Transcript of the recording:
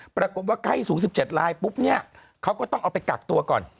ปรากฏว่าไข้สูง๑๗ลายปุ๊บเนี่ยเขาก็ต้องเอาไปกักตัวก่อน